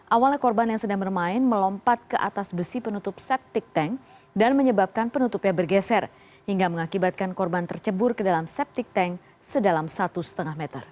awalnya korban yang sedang bermain melompat ke atas besi penutup septic tank dan menyebabkan penutupnya bergeser hingga mengakibatkan korban tercebur ke dalam septic tank sedalam satu lima meter